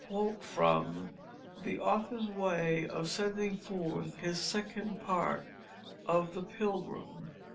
_ _The Author's Way of Sending Forth His Second Part of the Pilgrim.